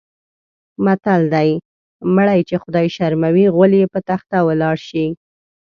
متل دی: مړی چې خدای شرموي غول یې په تخته ولاړ شي.